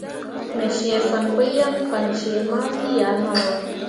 Me fee fan pǝ yaŋ fan fee ma lii ah maroua.